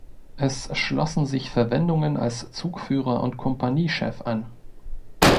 Es schlossen sich Verwendungen als Zugführer und Kompaniechef an.